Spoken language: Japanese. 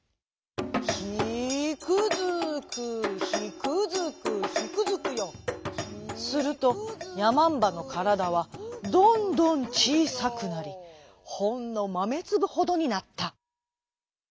「ヒクヅクヒクヅクヒクヅクヨ」するとやまんばのからだはどんどんちいさくなりほんのまめつぶほどになった。